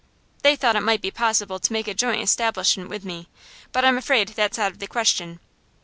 They thought it might be possible to make a joint establishment with me, but I'm afraid that's out of the question.